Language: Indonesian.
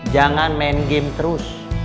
jangan main game terus